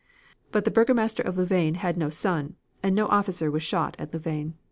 But the burgomaster of Louvain had no son and no officer was shot at Louvain.